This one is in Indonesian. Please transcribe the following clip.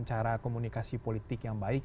cara komunikasi politik yang baik